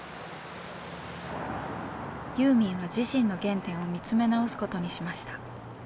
ユーミンは自身の原点を見つめ直すことにしました。